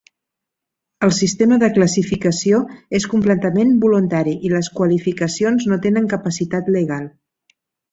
El sistema de classificació és completament voluntari i les qualificacions no tenen capacitat legal.